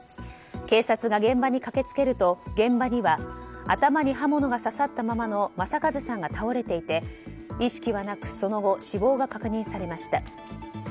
警察が現場に駆けつけると現場には頭に刃物が刺さったままの政一さんが倒れていて意識はなくその後、死亡が確認されました。